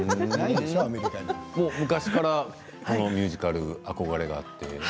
昔からこのミュージカルには憧れがあって。